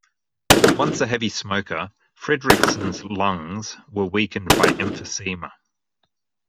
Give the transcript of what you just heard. Once a heavy smoker, Fredrikson's lungs were weakened by emphysema.